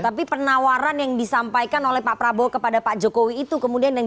tapi penawaran yang disampaikan oleh pak prabowo kepada pak jokowi itu kemudian yang